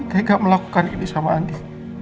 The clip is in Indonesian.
kamu tidak melakukan ini sama andi